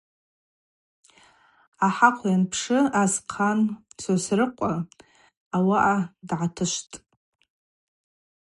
Ахӏахъв анптшы асхъан Сосрыкъва ауаъа дгӏатышвттӏ.